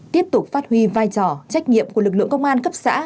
tiếp tục phát huy vai trò trách nhiệm của lực lượng công an cấp xã